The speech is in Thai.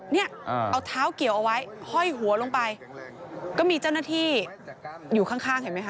เนี่ยเอาเท้าเกี่ยวเอาไว้ห้อยหัวลงไปก็มีเจ้าหน้าที่อยู่ข้างข้างเห็นไหมคะ